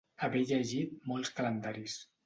Haver llegit molts calendaris.